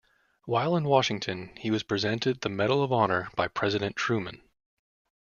While in Washington, he was presented the Medal of Honor by President Truman.